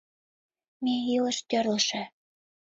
Ме илыш тӧрлышӧ!..